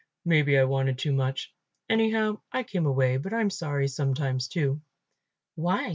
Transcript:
Maybe I wanted too much; anyhow I came away, but I am sorry sometimes too." "Why?"